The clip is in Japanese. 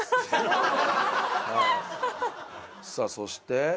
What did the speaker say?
さあそして。